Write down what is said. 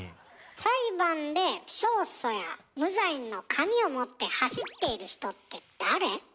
裁判で勝訴や無罪の紙を持って走っている人って誰？